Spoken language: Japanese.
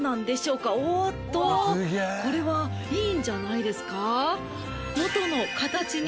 おーっとこれはいいんじゃないですか？